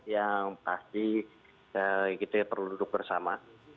yang pasti kita perlu duduk bersama